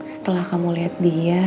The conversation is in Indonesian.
setelah kamu liat dia